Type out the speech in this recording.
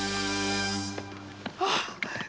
あっ！？